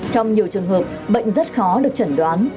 trong nhiều trường hợp bệnh rất khó được chẩn đoán